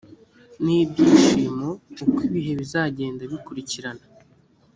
n ibyishimo uko ibihe bizagenda bikurikirana